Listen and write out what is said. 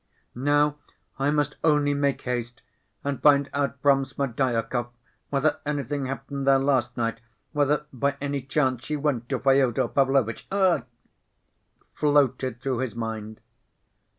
"Now I must only make haste and find out from Smerdyakov whether anything happened there last night, whether, by any chance, she went to Fyodor Pavlovitch; ough!" floated through his mind.